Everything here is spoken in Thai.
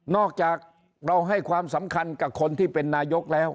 อกจากเราให้ความสำคัญกับคนที่เป็นนายกแล้ว